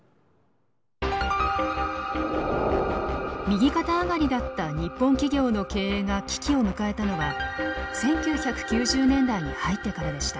右肩上がりだった日本企業の経営が危機を迎えたのは１９９０年代に入ってからでした。